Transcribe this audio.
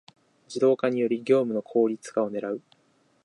ⅱ 自動化により業務の効率化を狙う